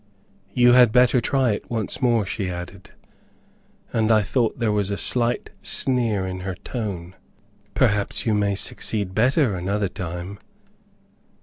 "You had better try it once more," she added, and I thought there was a slight sneer in her tone; "Perhaps you may succeed better another time."